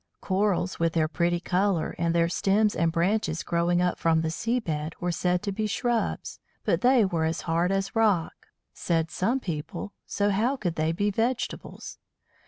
Corals, with their pretty colour, and their stems and branches growing up from the sea bed, were said to be shrubs, but they were as hard as rock, said some people, so how could they be vegetables?